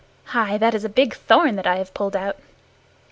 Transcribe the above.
Hai! That is a big thorn that I have pulled out!"